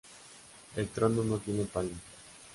El trono no tiene palio.